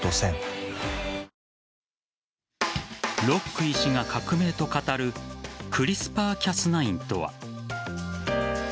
ロック医師が革命と語るクリスパー・キャス９とは。